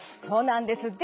そうなんです。